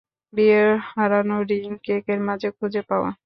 বিয়ের হারানো রিং কেকের মাঝে খুঁজে পাওয়া?